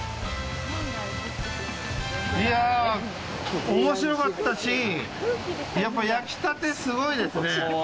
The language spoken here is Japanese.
いや、おもしろかったし、やっぱり焼きたて、すごいですね。